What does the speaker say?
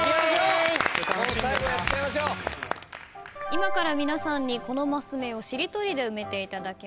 今から皆さんにこのマス目をしりとりで埋めていただきます。